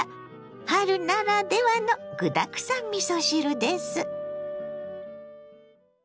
春ならではの具だくさんみそ汁です。